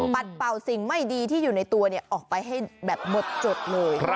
เป่าสิ่งไม่ดีที่อยู่ในตัวออกไปให้แบบหมดจดเลย